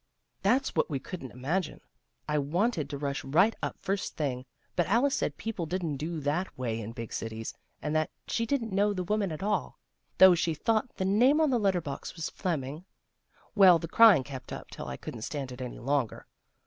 " That's what we couldn't imagine. I wanted to rush right up first thing, but Alice said people didn't do that way in big cities, and that she didn't know the woman at all, though she thought the name on the letter box was Flemming. Well, the crying kept up till I couldn't stand it any longer.